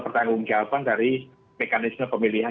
pertanggung jawaban dari mekanisme pemilihan